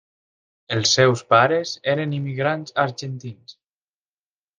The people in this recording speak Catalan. Els seus pares eren immigrants argentins.